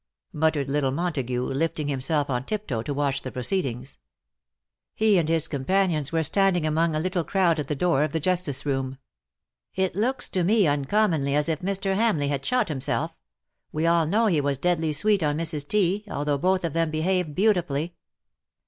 muttered little Montagu, lifting himself on tiptoe to watch the proceedings. He and his companions were standing amoiig a little 68 "dust to dust." crowd at the door of the justice room. " It looks to me uncommonly as if Mr. Hamleigh had shot himself. AVe all know he was deadly sweet on Mrs. T._, although both of them behaved beautifully.''